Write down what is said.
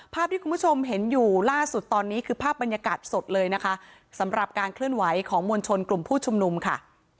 ภาพที่คุณผู้ชมเห็นอยู่ล่าสุดตอนนี้คือภาพบรรยากาศสดเลยนะคะสำหรับการเคลื่อนไหวของมวลชนกลุ่มผู้ชุมนุมค่ะ